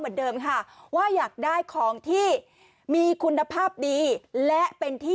เหมือนเดิมค่ะว่าอยากได้ของที่มีคุณภาพดีและเป็นที่